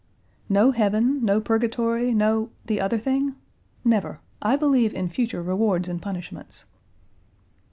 "No heaven, no purgatory, no the other thing? Never. I believe in future rewards and punishments."